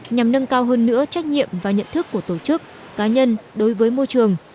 nhằm nâng cao hơn nữa trách nhiệm và nhận thức của tổ chức cá nhân đối với môi trường